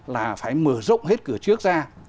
là phải mở rộng hết cửa trước ra